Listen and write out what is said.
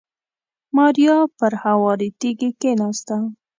ماريا پر هوارې تيږې کېناسته.